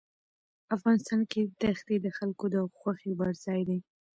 افغانستان کې ښتې د خلکو د خوښې وړ ځای دی.